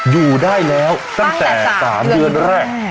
อยู่ได้แล้วตั้งแต่๓เดือนแรก